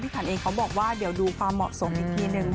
ขันเองเขาบอกว่าเดี๋ยวดูความเหมาะสมอีกทีหนึ่ง